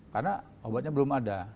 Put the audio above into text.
karena obatnya belum ada